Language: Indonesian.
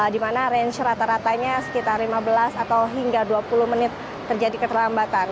di mana range rata ratanya sekitar lima belas atau hingga dua puluh menit terjadi keterlambatan